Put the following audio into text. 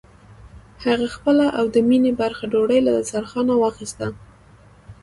هغه خپله او د مينې برخه ډوډۍ له دسترخوانه واخيسته.